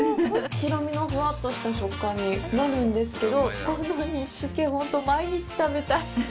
白身のふわっとした食感になるんですけどこの煮つけ、本当、毎日食べたい。